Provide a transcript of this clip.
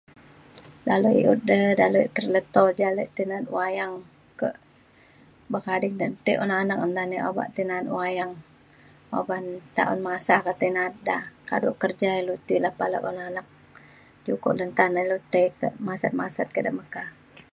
dalau i’ut de dalau ilu ke leto ja ale tai na’at wayang kak buk ading da te un anak na na obak tai na’at wayang uban nta un masa ke tai na’at da. kado kerja ilu ti lepa le un anak. ukok le nta na ilu tai kak masat masat ke de meka.